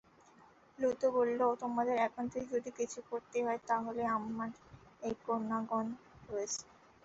লূত বলল, তোমাদের একান্তই যদি কিছু করতে হয় তাহলে আমার এই কন্যাগণ রয়েছে।